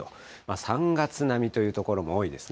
３月並みという所も多いですね。